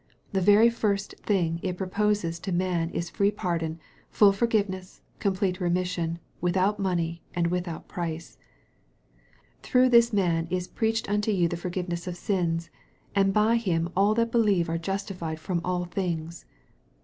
The very fir^t thing it proposes to man is free pardon, full forgivencs., complete remission, without money and without price. " Through this man is preached unto you the forgiveness of sins ; and by Him all that believe are justified from all things."